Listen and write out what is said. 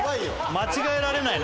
「間違えられないね」